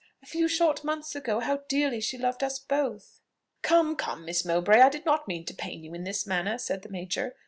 A few short months ago, how dearly she loved us both!" "Come, come, Miss Mowbray; I did not mean to pain you in this manner," said the major.